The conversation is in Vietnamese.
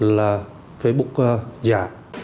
là facebook giả